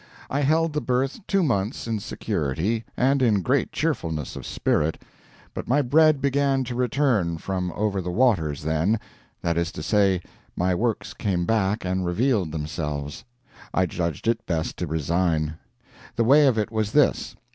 I held the berth two months in security and in great cheerfulness of spirit, but my bread began to return from over the waters then that is to say, my works came back and revealed themselves. I judged it best to resign. The way of it was this.